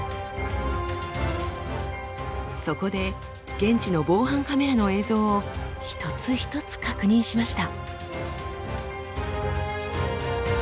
そこで現地の防犯カメラの映像を一つ一つ確認しました。